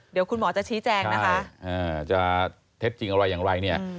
เดี๋ยวคุณหมอจะชี้แจงนะคะจะเท็จจริงอะไรอย่างไรเนี่ย